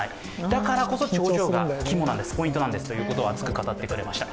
だからこそ、頂上が肝なんです、ポイントなんですということを語ってくれました。